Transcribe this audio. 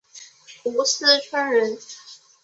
斛斯椿人。